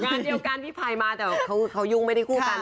งานเดียวกันพี่ไผ่มาแต่เขายุ่งไม่ได้คู่กัน